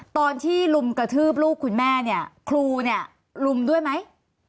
ตอนที่ลุมกระทืบลูกคุณแม่คุณลุมด้วยไหม